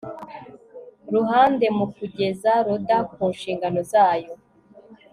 ruhande mu kugeza loda ku nshingano zayo